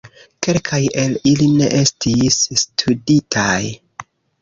Kelkaj el ili ne estis studitaj.